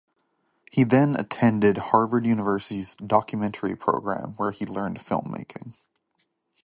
He then attended Harvard University's documentary program where he learned filmmaking.